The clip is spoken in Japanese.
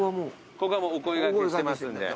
ここはお声掛けしてますんで。